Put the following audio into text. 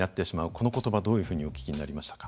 この言葉どういうふうにお聞きになりましたか？